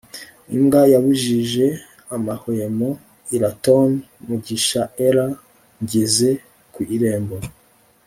imbwa yabujije amahwemo iratonmugishaera ngeze ku irembo